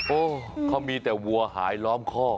เขามีแต่วัวหายล้อมคอก